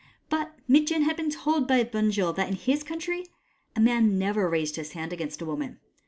But Mitjen had been told by Bunjil that in his country a man never raised his hand against a woman.